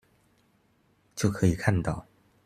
就可以看到